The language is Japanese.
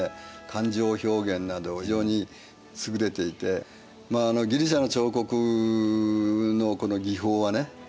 感情表現など非常にすぐれていてギリシアの彫刻のこの技法はね